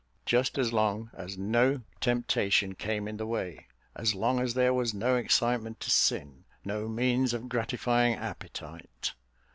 Just as long as no temptation came in the way; as long as there was no excitement to sin, no means of gratifying appetite.